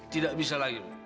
tidak bisa lagi bu